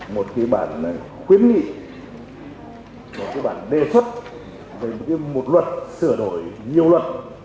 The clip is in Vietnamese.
một bản khuyến nghị một bản đề xuất về một luật sửa đổi nhiều luật